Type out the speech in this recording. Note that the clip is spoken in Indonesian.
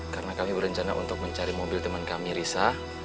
karena kami berencana untuk mencari mobil teman kami risa